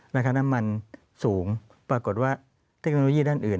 ราคาน้ำมันสูงปรากฏว่าเทคโนโลยีด้านอื่น